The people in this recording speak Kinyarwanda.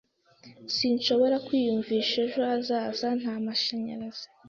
Sinshobora kwiyumvisha ejo hazaza nta mashanyarazi.